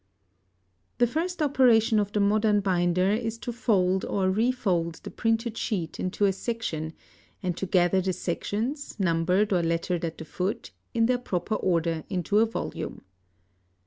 The first operation of the modern binder is to fold or refold the printed sheet into a section, and to gather the sections, numbered or lettered at the foot, in their proper order into a volume.